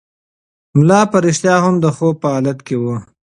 ملا په رښتیا هم د خوب په حالت کې و.